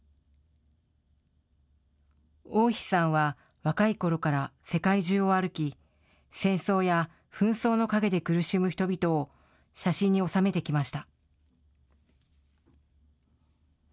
大石さんは若いころから世界中を歩き戦争や紛争の陰で苦しむ人々を写真に収めてきました。